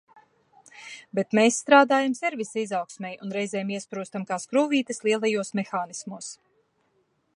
Bet mēs strādājam servisa izaugsmei un reizēm iesprūstam kā skrūvītes lielajos mehānismos.